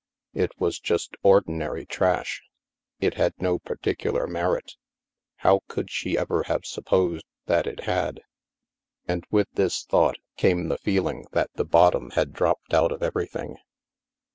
It was just ordinary trash. It had no particular merit. How could she ever have supposed that it had? And, with this thought, came the feeling that the bottom had dropped out of ever)rthing.